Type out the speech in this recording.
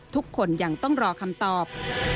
ทุกคนยังต้องรอคำตอบ